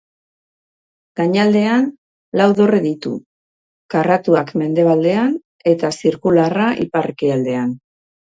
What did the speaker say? Gainaldean lau dorre ditu, karratuak mendebaldean eta zirkularra ipar-ekialdean.